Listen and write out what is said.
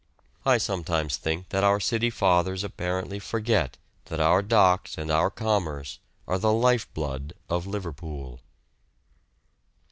I sometimes think that our City Fathers apparently forget that our docks and our commerce are the life blood of Liverpool.